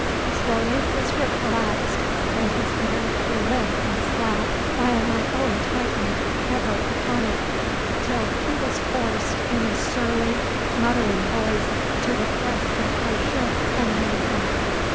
Slowly his grip relaxed, and his hand grew limp and slack while my own tightened ever upon it, until he was forced in a surly, muttering voice to request that I should unhand him.